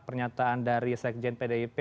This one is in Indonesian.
pernyataan dari sekjen pdip